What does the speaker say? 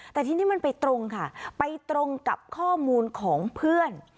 แต่ทีนี้มันไปตรงค่ะไปตรงกับข้อมูลของเพื่อน